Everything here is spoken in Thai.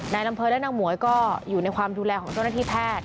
อำเภอและนางหมวยก็อยู่ในความดูแลของเจ้าหน้าที่แพทย์